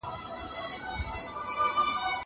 نان د زهشوم له خوا خوړل کيږي.